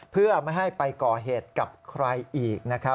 เพื่อไม่ให้ไปก่อเหตุกับใครอีกนะครับ